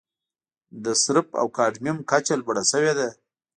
د سرب او کاډمیوم کچه لوړه شوې ده.